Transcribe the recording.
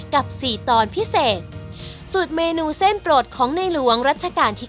กับ๔ตอนพิเศษสูตรเมนูเส้นโปรดของในหลวงรัชกาลที่๙